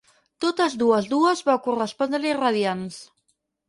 Totes dues dues vau correspondre-li radiants.